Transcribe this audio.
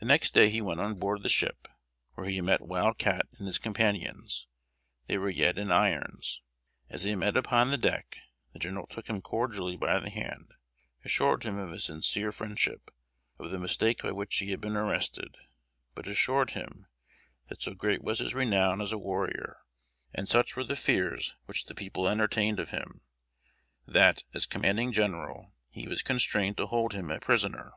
The next day he went on board the ship, where he met Wild Cat and his companions; they were yet in irons. As they met upon the deck, the General took him cordially by the hand; assured him of his sincere friendship; of the mistake by which he had been arrested; but assured him, that so great was his renown as a warrior, and such were the fears which the people entertained of him, that, as commanding General, he was constrained to hold him a prisoner.